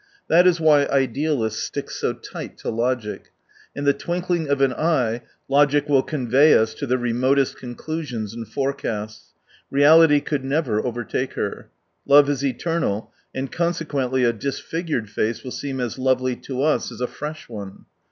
That is why idealists stick so tight so logic. In the twinkling of an eye logic will convey us to the remotest con clusions and forecasts. Reality could never .overtake her. Love is eternal, and conse quently a disfigured face will seem as lovely to us as a fresh one.